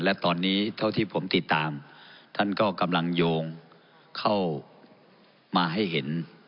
และตอนนี้เท่าที่ผมติดตามท่านก็กำลังโยงเข้ามาให้เห็น